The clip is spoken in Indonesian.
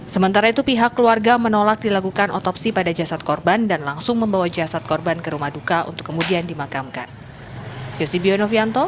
sementara itu pihak keluarga menolak dilakukan otopsi pada jasad korban dan langsung membawa jasad korban ke rumah duka untuk kemudian dimakamkan